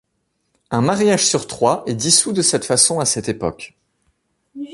Un mariage sur trois est dissous de cette façon à cette époque.